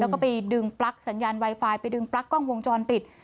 แล้วก็ไปดึงปลั๊กสัญญาณไวไฟไปดึงปลั๊กกล้องวงจรปิด